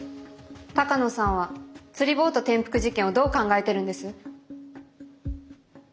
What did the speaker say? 鷹野さんは釣りボート転覆事件をどう考えてるんです？